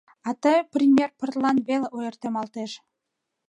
А ты пример пыртлан веле ойыртемалтеш.